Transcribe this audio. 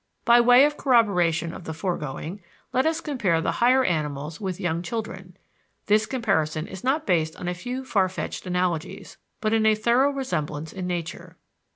By way of corroboration of the foregoing, let us compare the higher animals with young children: this comparison is not based on a few far fetched analogies, but in a thorough resemblance in nature.